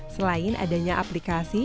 selain adanya aplikasi